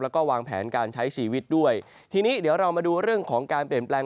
แล้วก็วางแผนการใช้ชีวิตด้วยทีนี้เดี๋ยวเรามาดูเรื่องของการเปลี่ยนแปลง